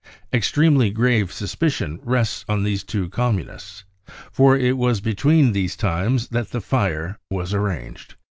extremely grave suspicion rests on these two Communists. For it was between these times that the fire was arranged.